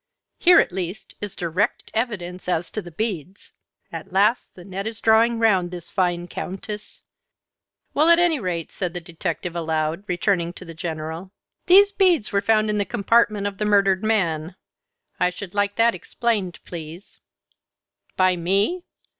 "Here, at least, is direct evidence as to the beads. At last the net is drawing round this fine Countess." "Well, at any rate," said the detective aloud, returning to the General, "these beads were found in the compartment of the murdered man. I should like that explained, please." "By me?